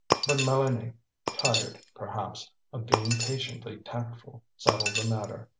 But Mélanie, tired, perhaps, of being patiently tactful, settled the matter.